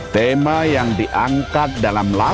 tema yang diangkat dalam lagu